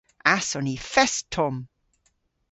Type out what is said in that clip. Ass on ni fest tomm!